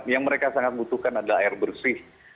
yang mereka sangat butuhkan adalah air bersih